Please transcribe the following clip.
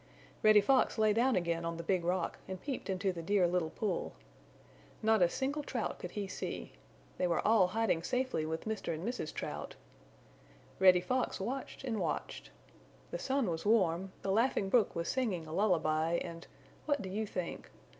Reddy Fox lay down again on the Big Rock and peeped into the Dear Little Pool. Not a single Trout could he see. They were all hiding safely with Mr. and Mrs. Trout. Reddy Fox watched and watched. The sun was warm, the Laughing Brook was singing a lullaby and what do you think?